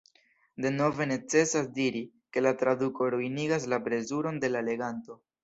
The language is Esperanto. Denove necesas diri, ke la traduko ruinigas la plezuron de la leganto.